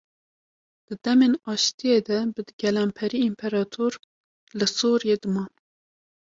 Di demên aşitiye de bi gelemperî împerator li Sûriyê diman.